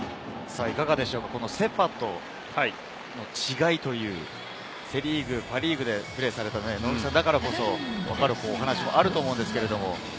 セ・パの違い、セ・リーグ、パ・リーグでプレーされた能見さんだからこそ分かるお話もあると思うんですけれど。